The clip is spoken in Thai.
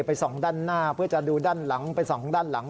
ไปส่องด้านหน้าเพื่อจะดูด้านหลังไปส่องด้านหลัง